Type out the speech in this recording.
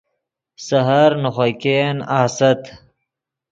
سحر نے خوئے ګئین آست